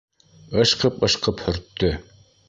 Ышҡып-ышҡып һөрттө.